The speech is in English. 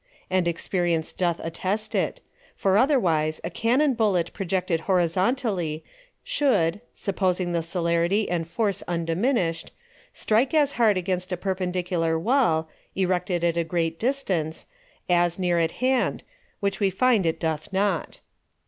And Experience doth attest it: For otherwise, a Cannon Bullet projected Horizontally, should (supposing the Celerity and Force undiminished) strike as hard against a Perpendicular Wall, erected at a great distance, as near at hand; which we find it doth not.